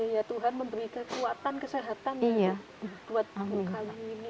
ya tuhan memberikan kekuatan kesehatan buat kamu kali ini